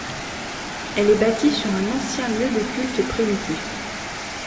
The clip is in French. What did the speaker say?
Elle est bâtie sur un ancien lieu de culte primitif.